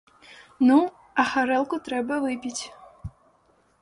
Ну, а гарэлку трэба выпіць.